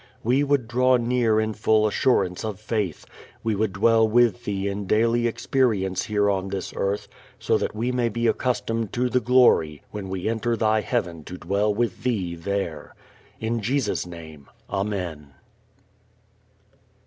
We would draw near in full assurance of faith. We would dwell with Thee in daily experience here on this earth so that we may be accustomed to the glory when we enter Thy heaven to dwell with Thee there. In Jesus' name, Amen.